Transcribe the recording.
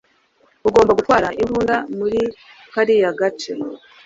Ugomba gutwara imbunda muri kariya gace.